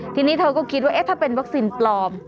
ทีนี้เธอก็คิดว่าถ้าเป็นวัคซีนปลอม